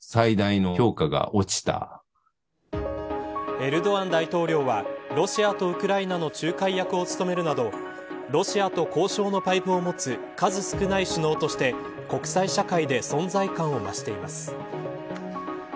エルドアン大統領はロシアとウクライナの仲介役を務めるなどロシアと交渉のパイプを持つ数少ない首脳として国際社会で存在感を増しています。